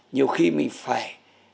nhiều khi mình phải